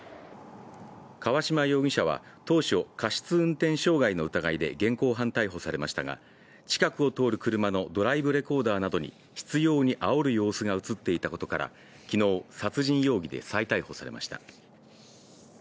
川島容疑者は当初、過失運転傷害の疑いで現行犯逮捕されましたが近くを通る車のドライブレコーダーなどに執ようにあおる様子が映っていたことから昨日、殺人容疑で再逮捕されました。